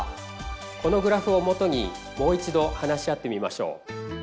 このグラフをもとにもう一度話し合ってみましょう。